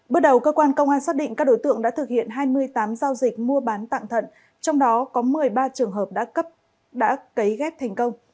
bước đầu cơ quan công an xác định các đối tượng đã thực hiện hai mươi tám giao dịch mua bán tặng thận trong đó có một mươi ba trường hợp đã cấy ghép thành công